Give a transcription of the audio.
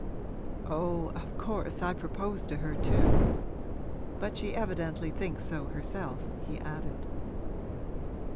'Oh, of course I proposed to her too. But she evidently thinks so herself!' he added.